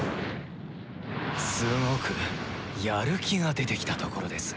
すごくやる気が出てきたところです！